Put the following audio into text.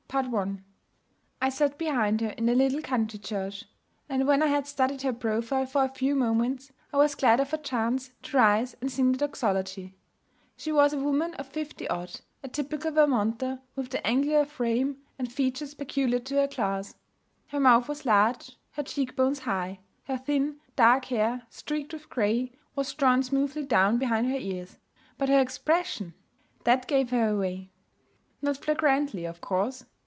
I I sat behind her in the little country church; and when I had studied her profile for a few moments, I was glad of a chance to rise and sing the Doxology. She was a woman of fifty odd, a typical Vermonter, with the angular frame and features peculiar to her class. Her mouth was large, her cheek bones high; her thin, dark hair, streaked with gray, was drawn smoothly down behind her ears. But her expression! that gave her away. Not flagrantly, of course.